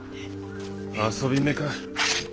遊び女か。